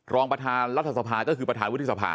รองประธานรัฐสภาก็คือประธานวุฒิสภา